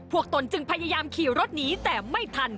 ตนจึงพยายามขี่รถหนีแต่ไม่ทัน